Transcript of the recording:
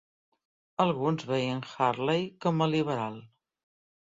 Alguns veien Hurley com a 'liberal'.